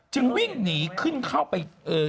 จึงวิ่งหนีขึ้นเข้าไป